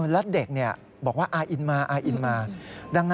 รู้สึกได้ใช่ไหมครับ